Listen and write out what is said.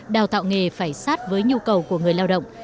đào tạo nghề phải sát với nhu cầu của người lao động